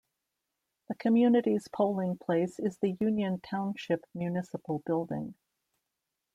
The community's polling place is the Union Township Municipal Building.